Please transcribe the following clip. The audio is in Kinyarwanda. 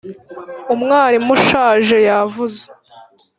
umwarimu ushaje yavuze.